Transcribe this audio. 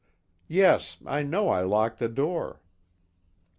_) "Yes, I know I locked the door."